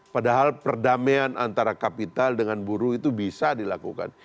padahal perdamaian antara kapital dengan buruh itu bisa dilakukan